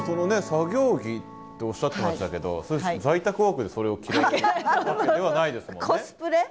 作業着っておっしゃってましたけど在宅ワークでそれを着るわけではないですもんね？